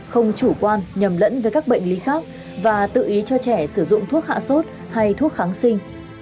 không chủ quan nhầm lẫn với các bệnh lý khác và tự ý cho trẻ sử dụng thuốc hạ sốt hay thuốc kháng sinh